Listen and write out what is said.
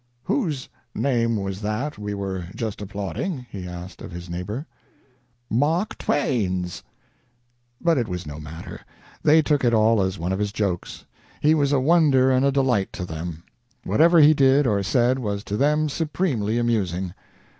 "Whose name was that we were just applauding?" he asked of his neighbor. "Mark Twain's." But it was no matter; they took it all as one of his jokes. He was a wonder and a delight to them. Whatever he did or said was to them supremely amusing.